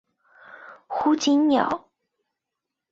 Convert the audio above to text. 胡锦鸟。